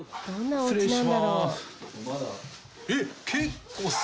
失礼します。